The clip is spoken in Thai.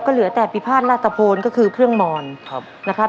ก็เหลือแต่ปิภาษณ์รัตโภนก็คือเครื่องมอนครับนะครับ